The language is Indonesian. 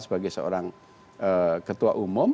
sebagai seorang ketua umum